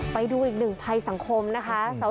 ไปดูอีกหนึ่งภัยสังคมนะคะ